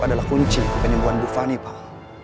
adalah kunci penyembuhan bu fani pak